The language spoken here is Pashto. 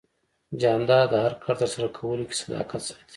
جانداد د هر کار ترسره کولو کې صداقت ساتي.